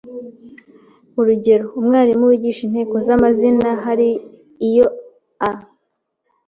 Urugero: Umwarimu wigisha inteko z’amazina hari iyo a